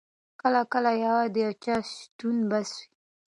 کله کله یوازې د چا شتون بس وي.